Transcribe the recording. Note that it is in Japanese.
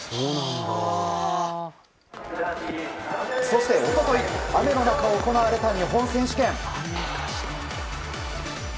そして一昨日雨の中行われた日本選手権。